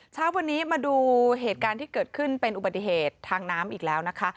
เช้าวันนี้มาดูเหตุการณ์ที่เกิดขึ้นเป็นอุบัติเหตุทางน้ำอีกแล้วนะคะ